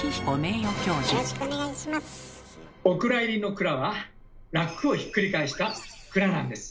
お蔵入りの「くら」は「らく」をひっくり返した「くら」なんです。